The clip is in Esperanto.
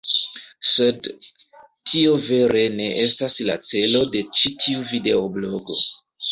Sed... tio vere ne estas la celo de ĉi tiu videoblogo.